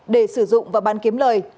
để sử dụng và bán kiếm lời